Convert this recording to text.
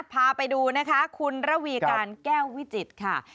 พาไปดูนะคะคุณระวีการแก้ววิจิตรค่ะ